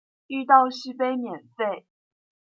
遇到续杯免费